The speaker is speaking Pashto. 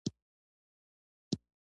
• زړور سړی د ستونزو حل ته لاره لټوي.